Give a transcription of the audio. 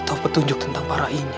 atau petunjuk tentang anak saya